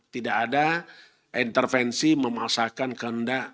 tidak ada intervensi memasahkan keendah